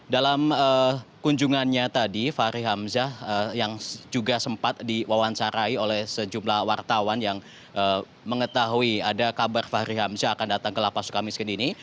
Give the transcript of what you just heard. dalam kunjungannya tadi fahri hamzah yang juga sempat diwawancarai oleh sejumlah wartawan yang mengetahui ada kabar fahri hamzah akan datang ke lapas suka miskin ini